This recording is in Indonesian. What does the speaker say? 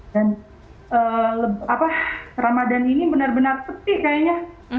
dan ramadan ini benar benar sepi kayaknya